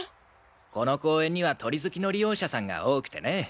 この公園には鳥好きの利用者さんが多くてね。